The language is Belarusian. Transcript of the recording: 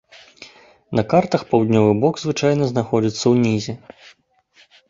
На картах паўднёвы бок звычайна знаходзіцца ўнізе.